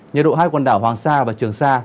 nhiệt độ hai quần đảo hoàng sa và trường sa